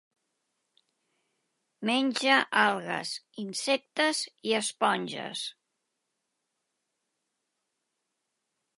Menja algues, insectes i esponges.